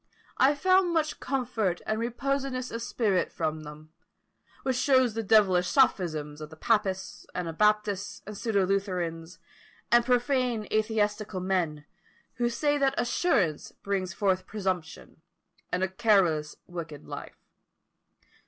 I found much comfort and reposedness of spirit from them, which shows the devilish sophisms of the papists, anabaptists, and pseudo Lutherans, and profane atheistical men, who say that assurance brings forth presumption, and a careless wicked life.